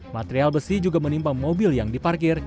material besi juga menimpa mobil yang diparkir